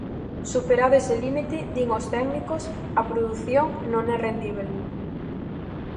Superado ese límite, din os técnicos, a produción non é rendíbel.